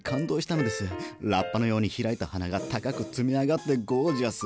ラッパのように開いた花が高く積み上がってゴージャス。